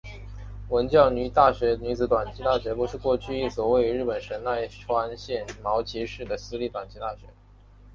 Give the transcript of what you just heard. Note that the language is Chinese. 文教大学女子短期大学部是过去一所位于日本神奈川县茅崎市的私立短期大学。